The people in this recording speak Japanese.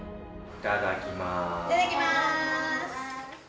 いただきます！